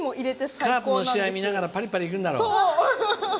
カープの試合見ながらパリパリいくんだろ。